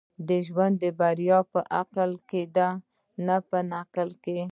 د ژوند بريا په عقل کي ده، نه په نقل کي.